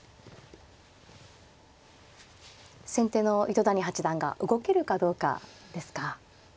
先手の糸谷八段が動けるかどうかですか。